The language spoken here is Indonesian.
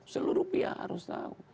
seluruh pihak harus tahu